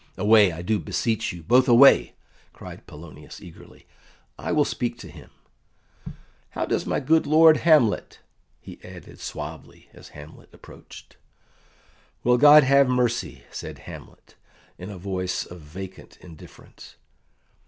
"Away, I do beseech you both away!" cried Polonius eagerly. "I will speak to him. How does my good Lord Hamlet?" he added suavely, as Hamlet approached. "Well, God have mercy!" said Hamlet, in a voice of vacant indifference.